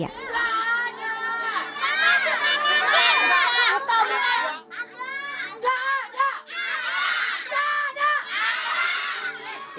tidak ada tidak ada tidak ada